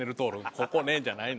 「ここね」じゃないの。